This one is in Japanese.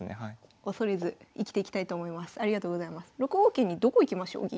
桂にどこ行きましょう銀。